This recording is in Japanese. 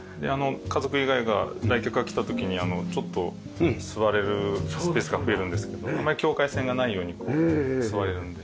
家族以外が来客が来た時にちょっと座れるスペースが増えるんですけどあんまり境界線がないようにこう座れるんで。